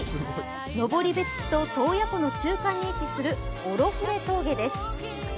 登別市と洞爺湖の中間に位置するオロフレ峠です。